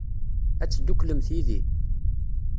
Ad tedduklemt yid-i?